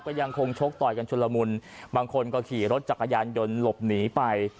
ก็ยังคงชกต่อยกันชุดละมุนบางคนก็ขี่รถจักรยานยนต์หลบหนีไป